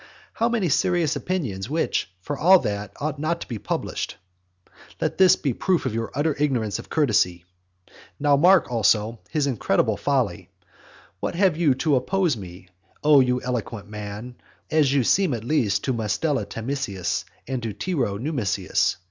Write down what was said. How many serious opinions, which, for all that, ought not to be published! Let this be a proof of your utter ignorance of courtesy. Now mark, also, his incredible folly. What have you to oppose to me, O you eloquent man, as you seem at least to Mustela Tamisius, and to Tiro Numisius?